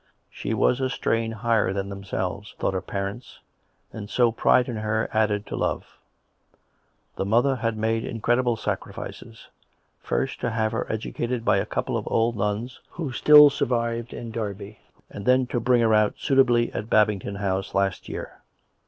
She was a strain higher than themselves, thought her parents, and so pride in her was added to love. The mother had made incredible sacri fices, first to have her educated by a couple of old nuns who still survived in Derby, and then to bring her out suitably at Babington House last year.